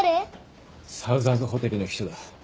サウザンズホテルの人だ。